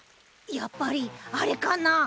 やっぱりあれかな？